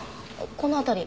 この辺り。